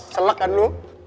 selek kan lo